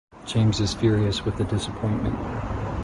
James is furious with the disappointment.